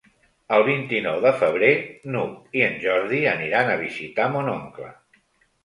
El vint-i-nou de febrer n'Hug i en Jordi aniran a visitar mon oncle.